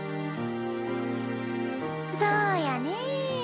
そうやね。